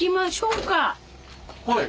はい。